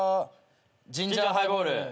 ジンジャーハイボール。